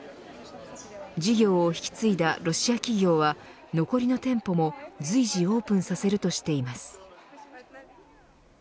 事業を引き継いだロシア企業は残りの店舗も随時オープンさせるとしています。